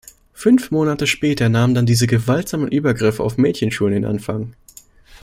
Fünf Monate später nahmen dann diese gewaltsamen Übergriffe auf Mädchenschulen ihren Anfang.